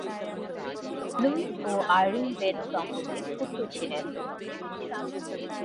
Luis ও Irene Beno দম্পতির পুত্র ছিলেন।